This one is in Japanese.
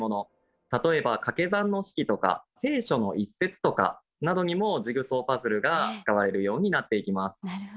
例えばかけ算の式とか「聖書」の一節とかなどにもジグソーパズルが使われるようになっていきます。